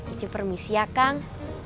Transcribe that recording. icu permisi ya kang